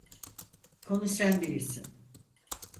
Konu sen değilsin.